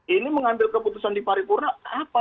ini mengambil keputusan di paripurna apa